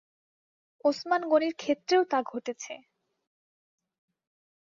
ওসমান গনির ক্ষেত্রেও তা ঘটেছে।